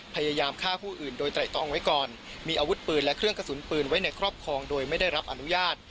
พยายามฆ่าผู้อื่นโดยไตรตองไว้ก่อนมีอาวุธปืนและเครื่องกระสุนปืนไว้ในครอบครองโดยไม่ได้รับอนุญาต